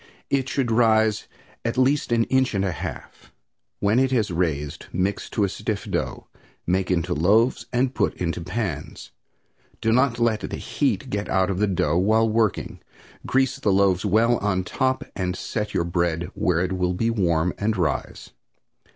It should rise at least an inch and a half. When it has raised mix to a stiff dough, make into loaves and put into pans. Do not let the heat get out of the dough while working. Grease the loaves well on top and set your bread where it will be warm and rise.